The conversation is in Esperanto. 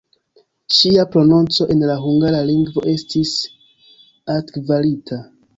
Ŝia prononco en la hungara lingvo estis altkvalita.